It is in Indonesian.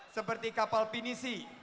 seperti kapal pinisi